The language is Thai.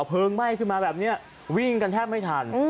เพลิงไหม้ขึ้นมาแบบนี้วิ่งกันแทบไม่ทัน